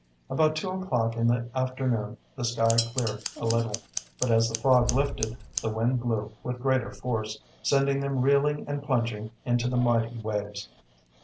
About two o'clock in the afternoon the sky cleared a little. But as the fog lifted, the wind blew with greater force, sending them reeling and plunging into the mighty waves.